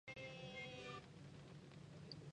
La Catedral está construida en estilo renacentista tardío.